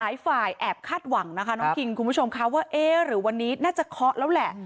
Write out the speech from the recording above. สายฝ่ายแอบคาดหวังนะคะคุณผู้ชมค่ะว่าหรือวันนี้น่าจะเคาะแล้วแหละ